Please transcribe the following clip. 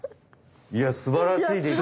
いやすばらしいできよ。